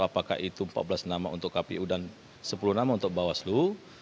apakah itu empat belas nama untuk kpu dan sepuluh nama untuk bawaslu